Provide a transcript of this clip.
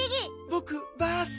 ぼくバース。